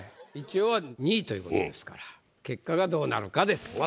一応２位という事ですから結果がどうなるかです。